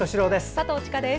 佐藤千佳です。